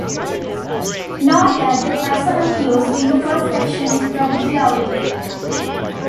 Note that the taxonomy used in the first section is probably outdated.